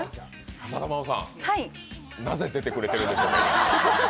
浅田真央さん、なぜ出てくれてるんですかね。